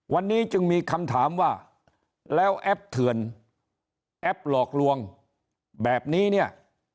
วันนี้จึงมีคำถามว่าแล้วแอปเถือนแอปหลอกลวงแบบนี้เนี่ย